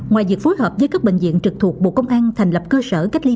ngoài việc phối hợp với các bệnh viện trực thuộc bộ công an thành lập cơ sở cách ly